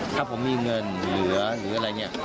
ถ้าผมมีเงินเหลือหรืออะไรเนี่ย